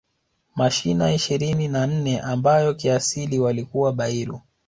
Mashina ishirini na nne ambayo kiasili walikuwa Bairu